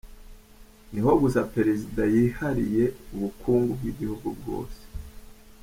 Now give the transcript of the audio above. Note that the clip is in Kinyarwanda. Niho gusa Perezida yihariye ubukungu bw’igihugu bwose